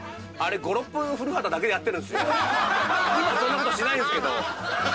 今そんなことはしないんですけど。